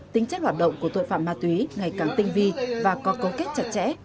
tính chất hoạt động của tội phạm ma túy ngày càng tinh vi và có cấu kết chặt chẽ